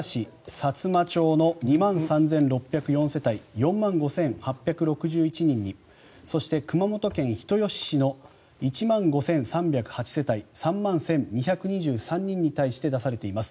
さつま町の２万３６０４世帯４万５８６１人にそして、熊本県人吉市の１万３００８世帯３万１２２３人に対して出されています。